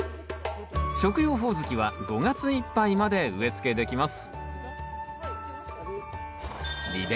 食用ホオズキは５月いっぱいまで植えつけできます